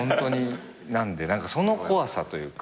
なんでその怖さというか。